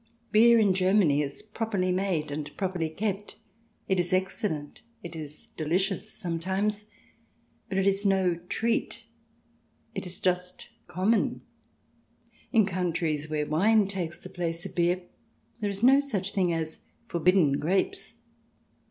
Beer in Germany is properly made and properly kept ; it is excellent, it is delicious sometimes. But it is no treat ; it is just common. In countries where wine takes the place of beer there is no such thing as forbidden grapes.